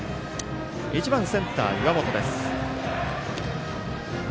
１番センター、岩本です。